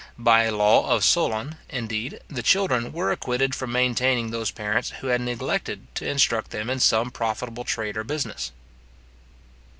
By a law of Solon, indeed, the children were acquitted from maintaining those parents who had neglected to instruct them in some profitable trade or business.